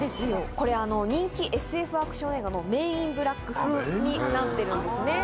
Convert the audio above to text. これ人気ＳＦアクション映画の『メン・イン・ブラック』風になってるんですね。